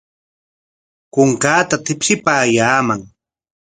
Kunkaata tipshipaayaaman.